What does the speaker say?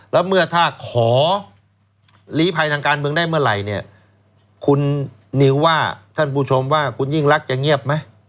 แล้วเมื่อถ้าขอลีภัยทางการเมืองได้เมื่อไหร่เนี่ยคุณนิวว่าท่านผู้ชมว่าคุณยิ่งรักจะเงียบไหม